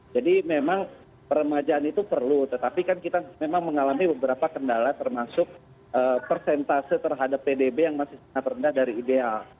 jadi memang peramajaan itu perlu tetapi kan kita memang mengalami beberapa kendala termasuk persentase terhadap pdb yang masih rendah dari ideal